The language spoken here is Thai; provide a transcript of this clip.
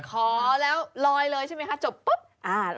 ขอแล้วรอยเลยใช่มั้ยค่ะจบพบ